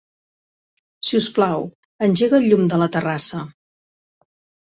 Si us plau, engega el llum de la terrassa.